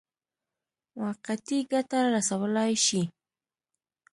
موقتي ګټه رسولای شي.